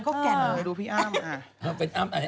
ก่อนดูพี่อ้ำ